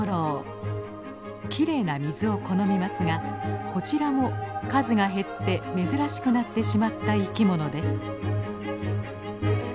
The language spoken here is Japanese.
きれいな水を好みますがこちらも数が減って珍しくなってしまった生きものです。